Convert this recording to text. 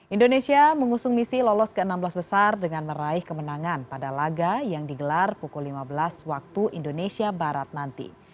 indonesia mengusung misi lolos ke enam belas besar dengan meraih kemenangan pada laga yang digelar pukul lima belas waktu indonesia barat nanti